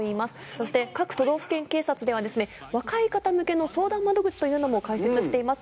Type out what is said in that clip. そして各都道府県警察では若い方向けの相談窓口も開設しています。